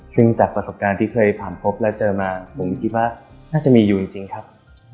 ซึ่งจากประสบการณ์ที่เคยผ่านพบและเจอมาผมคิดว่าน่าจะมีอยู่จริงครับ